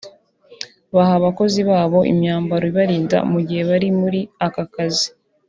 baha abakozi babo imyambaro ibarinda mu gihe bari muri aka kazi